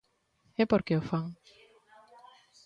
¿E por que o fan?